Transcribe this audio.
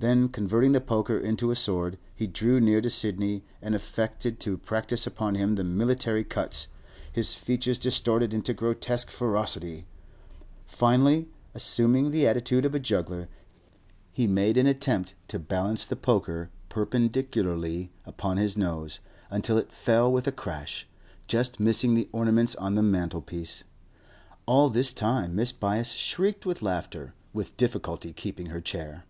Then, converting the poker into a sword, he drew near to Sidney and affected to practise upon him the military cuts, his features distorted into grotesque ferocity. Finally, assuming the attitude of a juggler, he made an attempt to balance the poker perpendicularly upon his nose, until it fell with a crash, just missing the ornaments on the mantel piece. All this time Mrs. Byass shrieked with laughter, with difficulty keeping her chair.